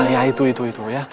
ya itu itu ya